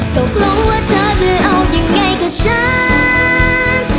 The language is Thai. ก็กลัวว่าเธอจะเอายังไงกับฉัน